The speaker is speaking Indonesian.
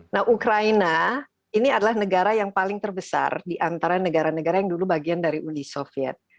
nah ukraina ini adalah negara yang paling terbesar di antara negara negara yang dulu bagian dari uni soviet